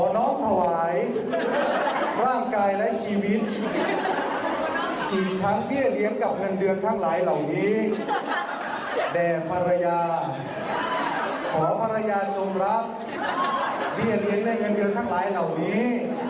แต่ภรรยาขอภรรยาสมรับเรียนได้เงินเงินทั้งหลายเหล่านี้